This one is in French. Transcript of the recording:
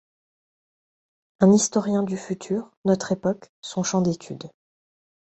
Un historien du futur; notre époque, son champ d'étude.